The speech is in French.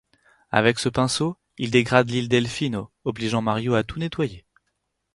Avec ce pinceau, il dégrade l'île Delfino, obligeant Mario a tout nettoyer.